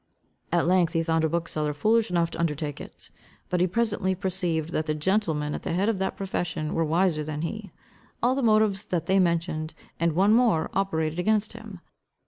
At length he found a bookseller foolish enough to undertake it. But he presently perceived that the gentlemen at the head of that profession were wiser than he. All the motives they had mentioned, and one more, operated against him.